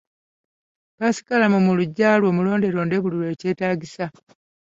Ppaasikalamu mu luggya lwo, mulonde londe buli lwekyetaagisa.